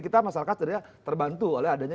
kita masyarakat jadinya terbantu oleh adanya